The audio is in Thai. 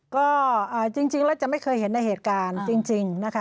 ก็จริงแล้วจะไม่เคยเห็นในเหตุการณ์จริงนะคะ